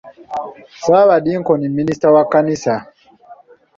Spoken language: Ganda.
Ssaabadinkoni minisita wa kkanisa.